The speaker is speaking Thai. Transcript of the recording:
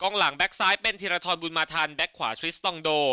กล้องหลังแบ๊คซ้ายเป็นทิริธรบุณมาธรรณแบ๊กขวาพระชุฤตร้องโด